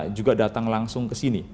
mereka itu bisa datang langsung ke sini